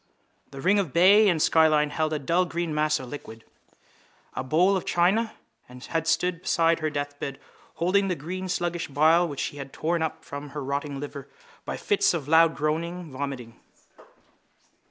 The ring of bay and skyline held a dull green mass of liquid. A bowl of white china had stood beside her deathbed holding the green sluggish bile which she had torn up from her rotting liver by fits of loud groaning vomiting.